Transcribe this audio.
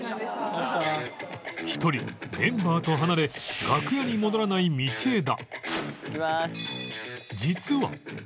１人メンバーと離れ楽屋に戻らない道枝